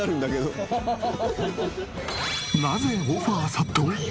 なぜオファー殺到？